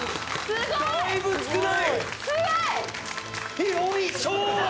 だいぶ少ない。